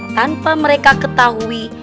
tanpa mereka ketahui